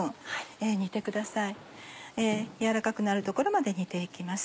軟らかくなるところまで煮て行きます。